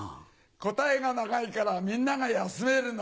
答えが長いからみんなが休めるの。